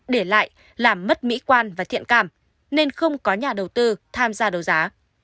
để lại làm mất mỹ quan và thiện cảm nên không có nhà đầu tư tham gia đấu giá